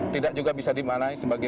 tidak juga bisa dimanai sebagai